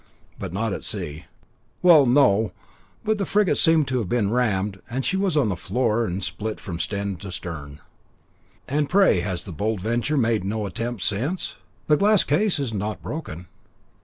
"But not at sea." "Well, no; but the frigate seemed to have been rammed, and she was on the floor and split from stem to stern." "And, pray, has the Bold Venture made no attempt since? The glass case is not broken."